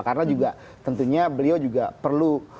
karena tentunya beliau juga perlu